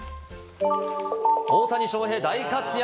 大谷翔平大活躍！